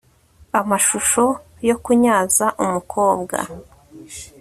amashusho yo kunyaza umukobwa